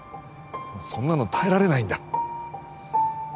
そんなの耐えられないんだ